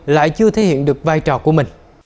lại chưa thể hiện được vai trò của mình